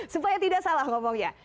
supaya tidak salah ngomongnya